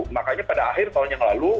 makanya pada akhir tahun yang lalu